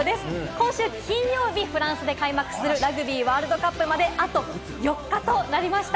今週金曜日、フランスで開幕するラグビーワールドカップまで、あと４日となりました。